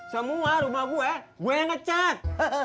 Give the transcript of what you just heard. semua rumah gue gue yang ngecat